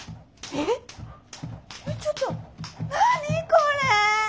⁉えちょっと何これェ？